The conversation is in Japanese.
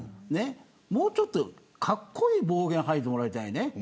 もうちょっと格好いい暴言を吐いてもらいたいね。